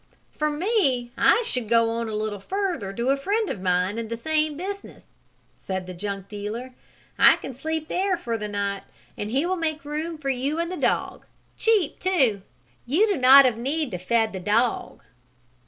"For me, I should go on a little further to a friend of mine in the same business," said the junk dealer. "I can sleep there for the night, and he will make room for you and the dog cheap, too. You do not of need to feed the dog."